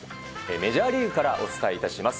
メジャーリーグからお伝えいたします。